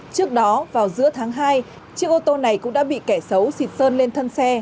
trước đó vào giữa tháng hai chiếc ô tô này cũng đã bị kẻ xấu xịt sơn lên thân xe